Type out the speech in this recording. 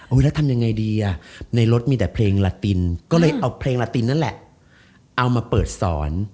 อุ้ยแล้วทำยังไงดีเนี่ยในรถมีแต่เพลงนั้นแหละเอามาเปิดสอน